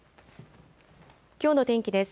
きょうの天気です。